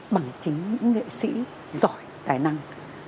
bằng chính những nghệ sĩ giỏi tài năng